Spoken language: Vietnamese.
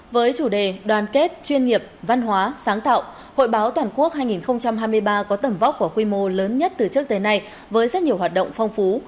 với chủ đề đoàn kết chuyên nghiệp văn hóa sáng tạo hội báo toàn quốc hai nghìn hai mươi ba có tầm vóc của quy mô lớn nhất từ trước tới nay với rất nhiều hoạt động phong phú